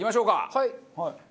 はい。